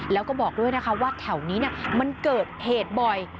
แล้วก็บอกด้วยนะคะว่าแถวนี้มันเกิดเหตุบ่อย